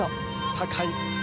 高い。